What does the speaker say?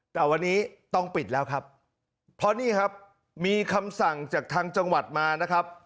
แต่วันนี้ต้องปิดแล้วครับเพราะนี่ครับมีคำสั่งจากทางจังหวัดมานะครับ